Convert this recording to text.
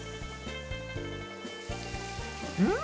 うん！